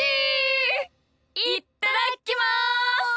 いっただきます！